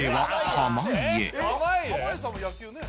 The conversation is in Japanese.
「濱家さんも野球ね」